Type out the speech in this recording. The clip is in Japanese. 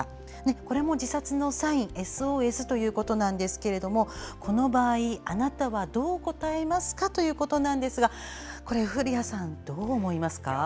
これも自殺のサインＳＯＳということですがこの場合あなたはどう答えますかということですが古谷さん、どう思いますか？